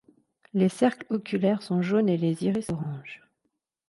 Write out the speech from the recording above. Les cercles oculaires sont jaunes et les iris orange.